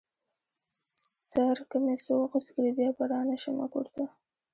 سر که مې څوک غوڅ کړې بيا به رانشمه کور ته